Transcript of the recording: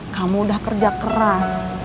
kamu udah kerja keras